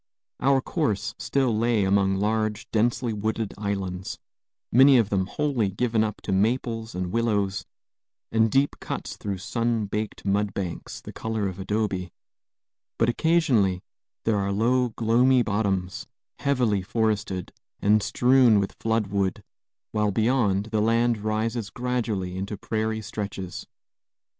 Our course still lay among large, densely wooded islands, many of them wholly given up to maples and willows, and deep cuts through sun baked mudbanks, the color of adobe; but occasionally there are low, gloomy bottoms, heavily forested, and strewn with flood wood, while beyond the land rises gradually into prairie stretches.